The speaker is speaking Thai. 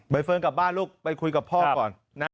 เฟิร์นกลับบ้านลูกไปคุยกับพ่อก่อนนะ